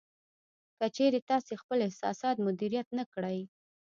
که چېرې تاسې خپل احساسات مدیریت نه کړئ